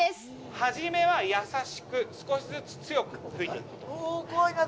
始めは優しく少しずつ強く吹いていきます